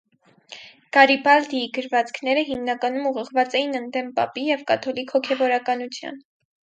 Գարիբալդիի գրվածքները հիմանակնում ուղղված էին ընդդեմ պապի և կաթոլիկ հոգևորականության։